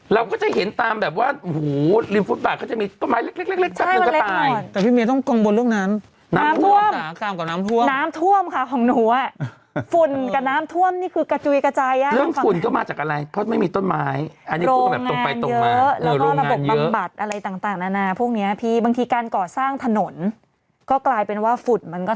เราก็จะเห็นตามแบบว่าอุ้โหริมฟุตบาทก็จะมีต้นไม้เล็ก